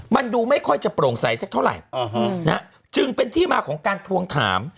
มันดูไม่ค่อยจะโปร่งใสสักเท่าไหร่จึงเป็นที่มาของการทวงถาม